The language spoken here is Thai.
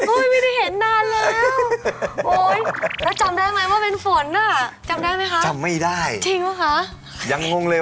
ไม่ได้เห็นนานแล้วโอ้ยแล้วจำได้ไหมว่าเป็นฝนอ่ะจำได้ไหมคะจำไม่ได้จริงป่ะคะยังงงเลย